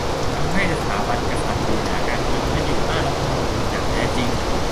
ทำให้สถาบันกษัตริย์อยู่เหนือการเมืองและอยู่ใต้รัฐธรรมนูญอย่างแท้จริง